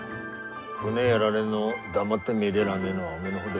船やられんの黙って見でらんねえのはおめえの方だろ。